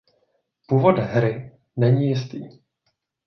Původ Hry není jistý.